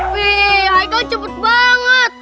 vy haikal cepet banget